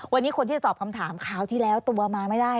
วันนี้คนที่จะตอบคำถามคราวที่แล้วตัวมาไม่ได้